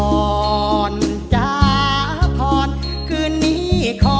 พรจ้าพรคืนนี้คอด